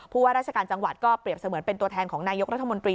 ว่าราชการจังหวัดก็เปรียบเสมือนเป็นตัวแทนของนายกรัฐมนตรี